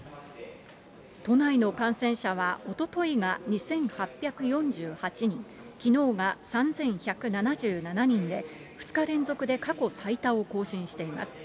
都内の感染者は、おとといが２８４８人、きのうが３１７７人で、２日連続で過去最多を更新しています。